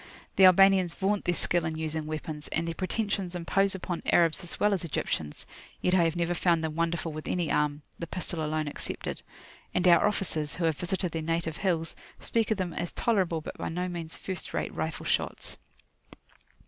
The Albanians vaunt their skill in using weapons, and their pretensions impose upon Arabs as well as Egyptians; yet I have never found them wonderful with any arm [p.134](the pistol alone excepted); and our officers, who have visited their native hills, speak of them as tolerable but by no means first rate rifle shots.